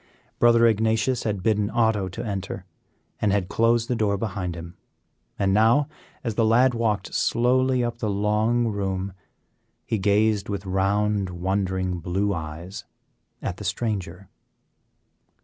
Brother Ignatius had bidden Otto to enter, and had then closed the door behind him; and now, as the lad walked slowly up the long room, he gazed with round, wondering blue eyes at the stranger.